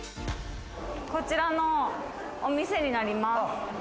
こちらのお店になります。